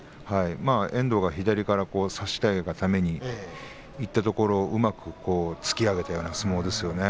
遠藤が左から差し替えるためにいったところをうまく突き上げたような相撲ですね。